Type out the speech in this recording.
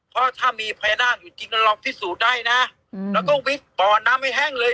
เพราะถ้ามีพญานาคอยู่ที่นรกที่สุดได้น่ะอืมแล้วก็วิดบ่อนน้ำให้แห้งเลย